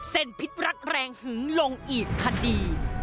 พิษรักแรงหึงลงอีกคดี